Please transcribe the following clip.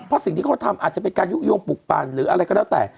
เพราะสิ่งที่เขาทำอาจจะเป็นการยุโยงปลูกปั่นหรืออะไรก็แล้วแต่